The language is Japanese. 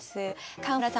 川村さん